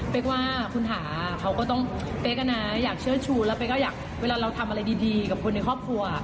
เพราะว่าคุณถาเขาก็ต้องเพราะว่าเวลาเราทำอะไรดีกับคนในครอบครัว